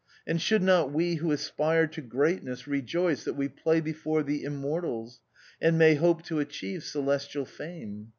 And should not we who aspire to greatness rejoice that we play before the Immortals, and may hope to achieve celestial fame